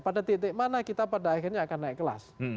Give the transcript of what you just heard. pada titik mana kita pada akhirnya akan naik kelas